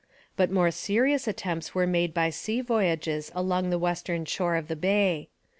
But more serious attempts were made by sea voyages along the western shore of the bay.